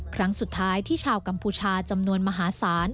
ครั้งสุดท้ายที่ชาวกัมพูชาจำนวนมหาศาล